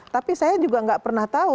tapi saya juga nggak pernah tahu